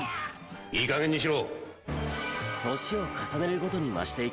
いいかげんにしろ。